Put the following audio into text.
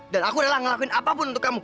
dan aku adalah ngelakuin apapun untuk kamu